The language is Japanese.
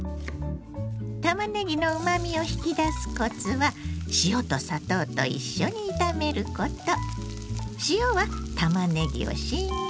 たまねぎのうまみを引き出すコツは塩と砂糖と一緒に炒めること。